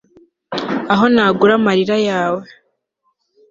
ohanagura amarira yawe